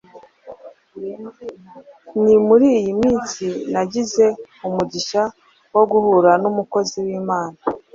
Ni muri iyi minsi nagize umugisha wo guhura n’umukozi w’Imana